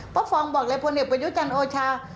พระฟองบอกเลยพระเหนียวประยุจันโอชา